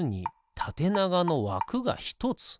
たてながのわくが１つ。